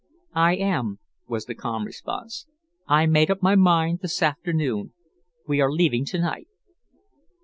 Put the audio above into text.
"I am," was the calm response. "I made up my mind this afternoon. We are leaving to night."